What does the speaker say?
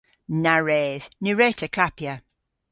Na wredh. Ny wre'ta klappya.